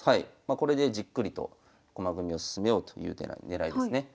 これでじっくりと駒組みを進めようという手が狙いですね。